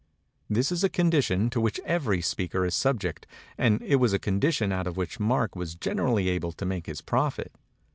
This is a condition to which every speaker is subject; and it was a condition out of which Mark was gen erally able to make his profit.